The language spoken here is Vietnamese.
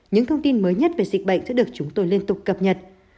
những thông tin mới nhất về dịch bệnh sẽ được chúng tôi liên tục cập nhật